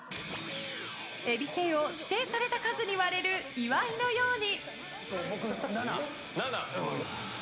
えびせんを指定された数に割れる岩井のように。